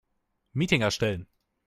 Meeting erstellen.